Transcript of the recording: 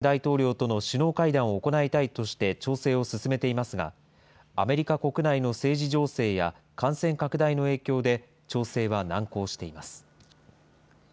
岸田総理大臣としては、早期にアメリカを訪問し、バイデン大統領との首脳会談を行いたいとして、調整を進めていますが、アメリカ国内の政治情勢や感染拡大の影響で調整は難航しています。